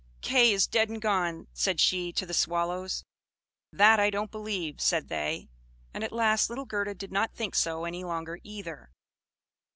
"Kay is dead and gone!" said she to the Swallows. "That I don't believe," said they: and at last little Gerda did not think so any longer either.